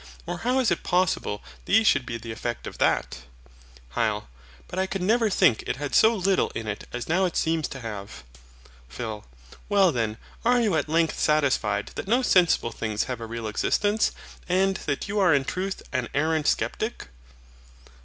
Or how is it possible these should be the effect of that? HYL. But I could never think it had so little in it as now it seems to have. PHIL. Well then, are you at length satisfied that no sensible things have a real existence; and that you are in truth an arrant sceptic?